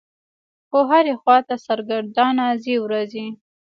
خو هرې خوا ته سرګردانه څي رڅي.